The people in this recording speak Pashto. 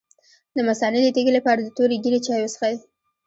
د مثانې د تیږې لپاره د تورې ږیرې چای وڅښئ